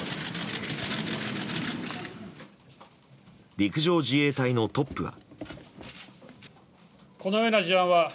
陸上自衛隊のトップは。